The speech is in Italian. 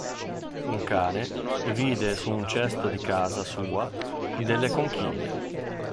Un cane vide su un cesto di casa sua delle conchiglie.